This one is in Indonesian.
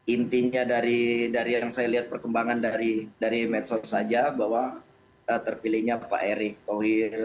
intinya dari yang saya lihat perkembangan dari medsos saja bahwa terpilihnya pak erick thohir